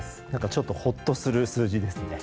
ちょっとほっとする数字ですね。